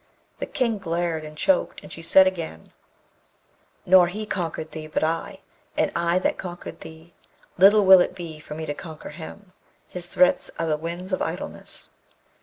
The King glared and choked, and she said again, 'Nor he conquered thee, but I; and I that conquered thee, little will it be for me to conquer him: his threats are the winds of idleness.'